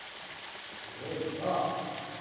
おおいった。